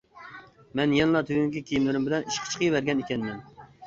مەن يەنىلا تۈنۈگۈنكى كىيىملىرىم بىلەن ئىشقا چىقىۋەرگەن ئىكەنمەن.